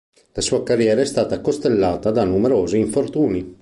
La sua carriera è stata costellata da numerosi infortuni.